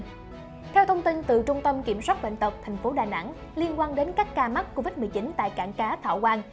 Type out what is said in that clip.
theo thông tin từ trung tâm kiểm soát bệnh tật thành phố đà nẵng liên quan đến các ca mắc covid một mươi chín tại cảng cá thảo quang